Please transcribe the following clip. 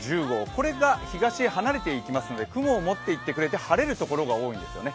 これが東へ離れていきますので雲を持っていってくれて晴れる所が多いんですよね。